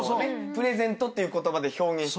プレゼントっていう言葉で表現してくれて。